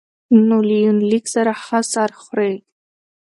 نو له يونليک سره ښه سر خوري